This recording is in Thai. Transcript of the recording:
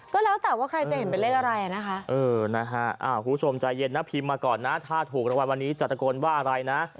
ก็แล้วแต่ว่าใครจะเห็นเป็นเลขอะไรนะ